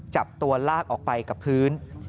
จับตัวลากออกไปกับพื้น